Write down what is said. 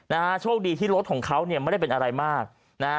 นะฮะโชคดีที่รถของเขาเนี่ยไม่ได้เป็นอะไรมากนะฮะ